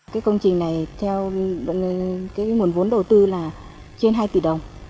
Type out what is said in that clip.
cái công trình này theo cái nguồn vốn đầu tư là trên hai tỷ đồng